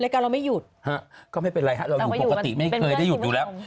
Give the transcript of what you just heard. ก็ไม่เป็นไรเราอยู่ปกติไม่เคยได้หยุดอยู่แล้ว